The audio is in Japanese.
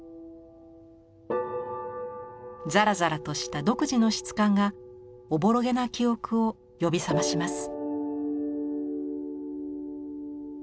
ざらざらとした独自の質感がおぼろげな記憶を呼び覚まします。